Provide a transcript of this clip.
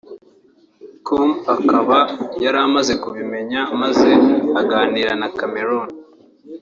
com akaba yari yamaze kubimenya maze aganira na Chameleone